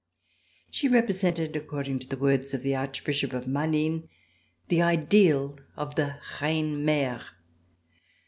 She represented, according to the words of the Archbishop of MaHnes, the ideal of the reine mere.